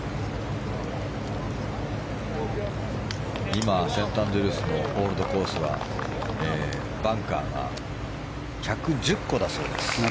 今、セントアンドリュースのオールドコースはバンカーが１１０個だそうです。